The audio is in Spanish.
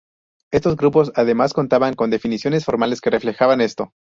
Estos grupos además contaban con definiciones formales que reflejaban esto.